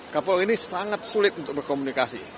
kapolri ini sangat sulit untuk berkomunikasi